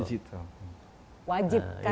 wajib karena menyesuaikan dengan